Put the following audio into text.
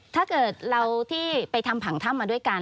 ถ้าเกิดเราที่ไปทำผังถ้ำมาด้วยกัน